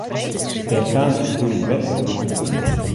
Der kaam brún wetter út de pomp.